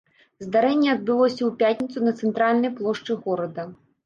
Здарэнне адбылося ў пятніцу на цэнтральнай плошчы горада.